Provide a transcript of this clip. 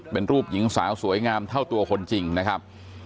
เป็นรูปหญิงสาวสวยงามเท่าตัวคนจริงนะครับ